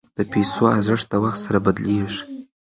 د پیسو ارزښت د وخت سره بدلیږي.